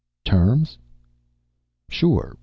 "Terms?" "Sure.